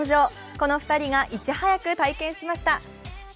この２人がいち早く体験しました。